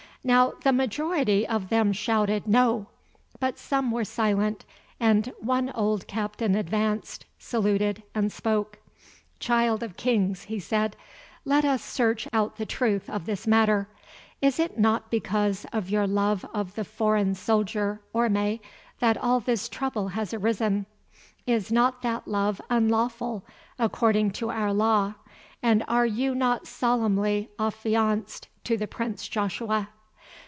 Now the majority of them shouted "No," but some were silent, and one old captain advanced, saluted, and spoke. "Child of Kings," he said, "let us search out the truth of this matter. Is it not because of your love of the foreign soldier, Orme, that all this trouble has arisen? Is not that love unlawful according to our law, and are you not solemnly affianced to the Prince Joshua?"